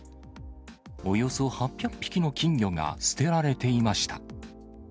およそ８００匹の金魚が捨てられていました。